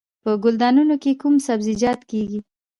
په ګلدانونو کې کوم سبزیجات کیږي؟